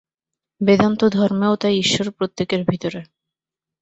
বেদান্ত ধর্মেও তাই ঈশ্বর প্রত্যেকের ভিতরে।